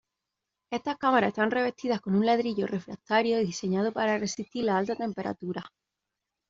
Estas cámaras están revestidas con un ladrillo refractario diseñado para resistir las altas temperaturas.